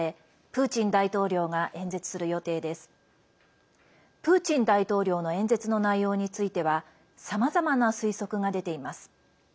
プーチン大統領の演説の内容についてはさまざまな推測が出ています。